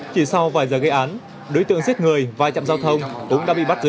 chỉ sau vài giờ gây án đối tượng giết người vai trạm giao thông cũng đã bị bắt giữ